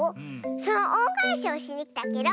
そのおんがえしをしにきたケロ。